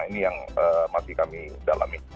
ini yang masih kami dalami